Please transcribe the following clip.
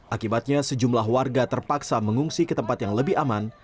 akibatnya sejumlah warga terpaksa mengungsi ke tempat yang lebih aman